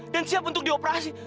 dan siap untuk dioperasi